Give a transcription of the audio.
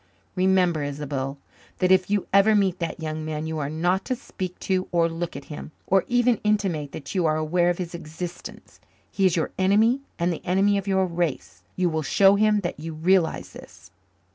Remember, Isobel, that if you ever meet that young man you are not to speak to or look at him, or even intimate that you are aware of his existence. He is your enemy and the enemy of your race. You will show him that you realize this."